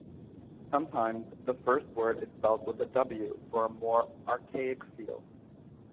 Sometimes the first word is spelled with a "w" for a more archaic feel.